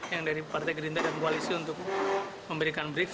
yang dari partai gerindra dan koalisi untuk memberikan brief